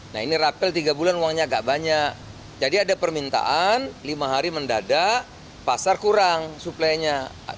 nah ini rapel tiga bulan uangnya agak banyak jadi ada permintaan lima hari mendadak pasar kurang suplainya